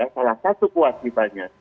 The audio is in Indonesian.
salah satu kewajibannya